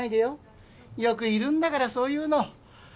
よくいるんだからそういうの。